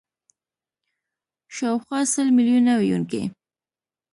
شاوخوا سل میلیونه ویونکي